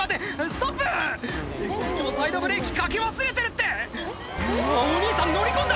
こっちもサイドブレーキかけ忘れてるってあぁお兄さん乗り込んだ！